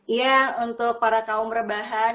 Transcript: iya untuk para kaum rebahan